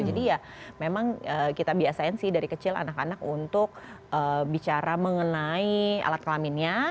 jadi ya memang kita biasain sih dari kecil anak anak untuk bicara mengenai alat kelaminnya